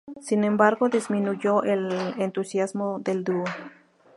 Sin embargo, disminuyó el entusiasmo del dúo.